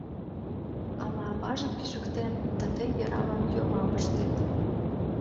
— Ала аваже пижыктен, да тый Вералан йолам ыштет.